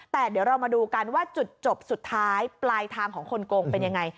แต่เดี๋ยวเรามาดูกันว่าจุดจบสุดท้ายปลายทางของคนโกงเป็นยังไง